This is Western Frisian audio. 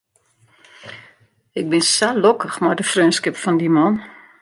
Ik bin sa lokkich mei de freonskip fan dy man.